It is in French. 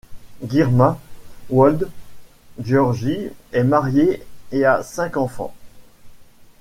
Girma Wolde-Giorgis est marié et a cinq enfants.